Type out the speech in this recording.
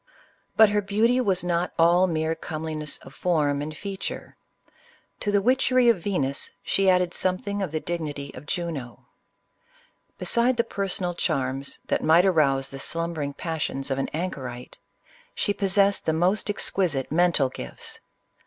But her beauty was not all mere comeliness of form and feature. To the witchery of Venus she added something of the dignity of Juno. Beside the personal charms that might arouse the slumbering passions of an anchorite, she possessed the most exquisite mental gifts.